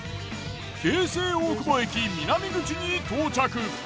京成大久保駅南口に到着。